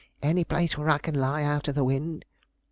Any place where I can lie out of the wind."